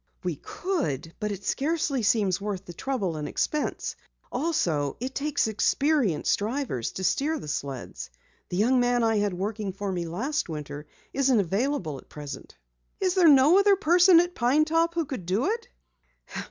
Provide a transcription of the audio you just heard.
"We could, but it scarcely seems worth the trouble and expense. Also, it takes experienced drivers to steer the sleds. The young man I had working for me last winter isn't available at present." "Is there no other person at Pine Top who could do it?"